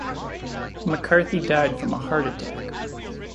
McCarthy died from a heart attack.